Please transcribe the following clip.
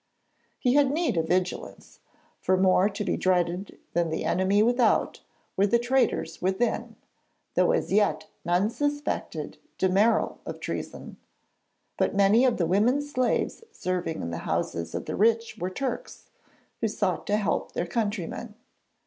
He had need of vigilance; for more to be dreaded than the enemy without were the traitors within, though as yet none suspected de Merall of treason. But many of the women slaves serving in the houses of the rich were Turks, who sought to help their countrymen.